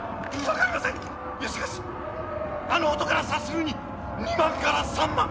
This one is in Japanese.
しかしあの音から察するに２万から３万。